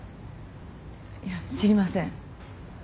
いや知りません。